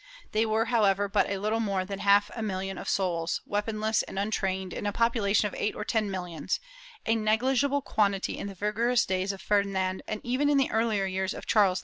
They were, how ever, but little more than half a million of souls, weaponless and untrained, in a population of eight or ten millions — a negligible quantity in the vigorous days of Ferdinand and even in the earher years of Charles V.